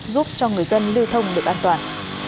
giúp cho người dân lưu thông được an toàn